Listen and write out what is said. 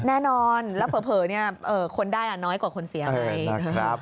แน่นอนแล้วเผลอคนได้น้อยกว่าคนเสียไหม